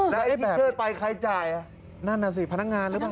แล้วไอ้พิเชิดไปใครจ่ายนั่นน่ะสิพนักงานหรือเปล่า